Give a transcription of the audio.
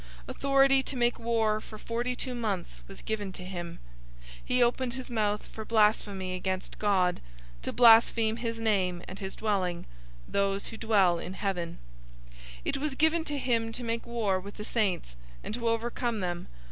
Authority to make war for forty two months was given to him. 013:006 He opened his mouth for blasphemy against God, to blaspheme his name, and his dwelling, those who dwell in heaven. 013:007 It was given to him to make war with the saints, and to overcome them.